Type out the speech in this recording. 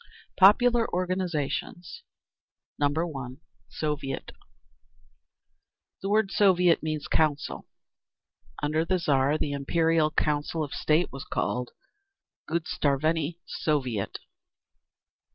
Popular Organisations 1. Soviet. The word soviet means "council." Under the Tsar the Imperial Council of State was called _Gosudarstvennyi Soviet.